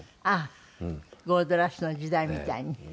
あっゴールドラッシュの時代みたいに。